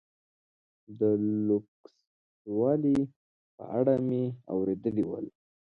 د لوکسوالي په اړه مې اورېدلي ول.